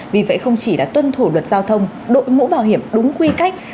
vì vậy không chỉ là tuân thủ luật giao thông đội mũ bảo hiểm đúng quy cách